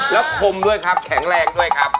แล้วคมด้วยครับแข็งแรงด้วยครับ